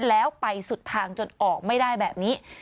แล้วไปสุดทางจนออกไม่ได้แบบนี้